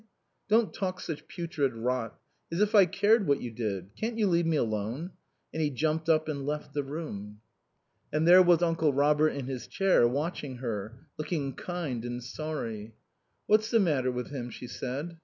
"Don't talk such putrid rot. As if I cared what you did. Can't you leave me alone?" And he jumped up and left the room. And there was Uncle Robert in his chair, watching her, looking kind and sorry. "What's the matter with him?" she said.